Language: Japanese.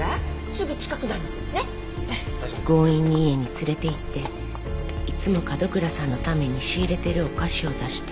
強引に家に連れていっていつも角倉さんのために仕入れてるお菓子を出して。